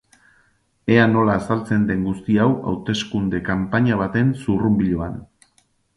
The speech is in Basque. Ea nola azaltzen den guzti hau hauteskunde kanpaina baten zurrunbiloan.